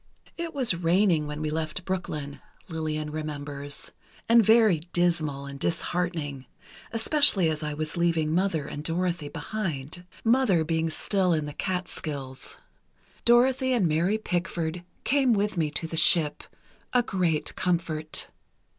"It was raining when we left Brooklyn," Lillian remembers, "and very dismal and disheartening, especially as I was leaving Mother and Dorothy behind—Mother being still in the Catskills. Dorothy and Mary Pickford came with me to the ship—a great comfort."